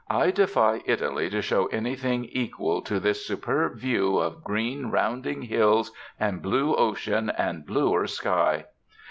I defy Italy to show anything equal to this superb view of green, rounding hills and blue ocean and bluer sky.